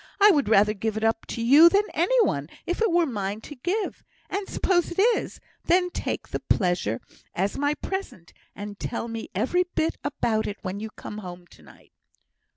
I would rather give it up to you than any one, if it were mine to give. And suppose it is, and take the pleasure as my present, and tell me every bit about it when you come home to night."